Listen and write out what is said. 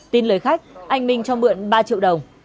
tin lời khách anh minh cho mượn ba triệu đồng